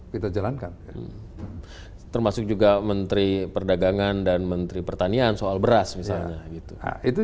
kita jalankan termasuk juga menteri perdagangan dan menteri pertanian soal beras misalnya gitu itu